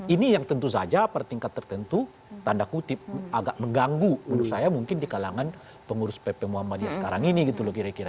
ini yang tentu saja per tingkat tertentu tanda kutip agak mengganggu menurut saya mungkin di kalangan pengurus pp muhammadiyah sekarang ini gitu loh kira kira